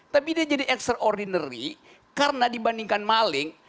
tapi dia jadi extraordinary karena dibandingkan maling